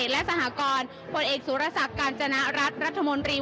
และสหกรณ์พลเอกสุรสักรคจนรัฐหรรรฑมนตรี